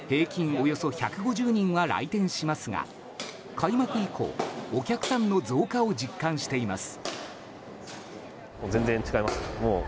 およそ１５０人は来店しますが開幕以降、お客さんの増加を実感しています。